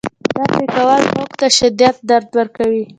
دا پرې کول خوک ته شدید درد ورکوي.